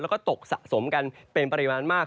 แล้วก็ตกสะสมกันเป็นปริมาณมาก